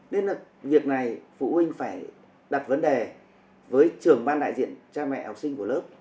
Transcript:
nên là việc này phụ huynh phải đặt vấn đề với trường ban đại diện cha mẹ học sinh của lớp